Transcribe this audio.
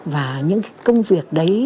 và những công việc đấy